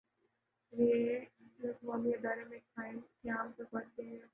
ایک بین الاقوامی ادارے کے قیام پر غور کیا گیا